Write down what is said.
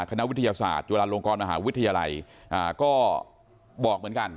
คณะวิทยาศาสตร์จุฬาลงกรมหาวิทยาลัยก็บอกเหมือนกัน